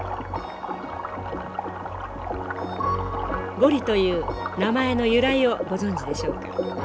ゴリという名前の由来をご存じでしょうか？